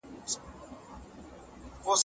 صنعتي پرمختګ تر کرنیز پرمختګ چټک دی.